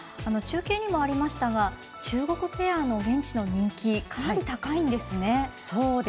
中継にもありましたが中国ペアの現地の人気かなり高いんですね。